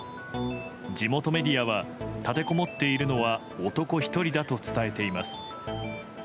地元メディアは立てこもっているのは男１人だと伝えています。